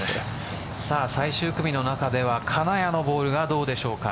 最終組の中では金谷のボールがどうでしょうか。